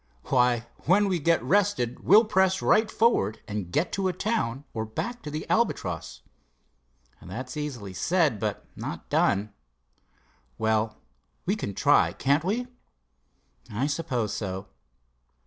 "Why, when we get rested we'll press right forward and get to a town or back to the Albatross." "That's easily said; but not done." "Well, we can try; can't we?" "I suppose so."